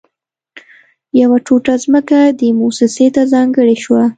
يوه ټوټه ځمکه دې مؤسسې ته ځانګړې شوه